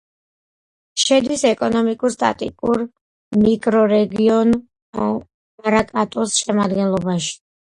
შედის ეკონომიკურ-სტატისტიკურ მიკრორეგიონ პარაკატუს შემადგენლობაში.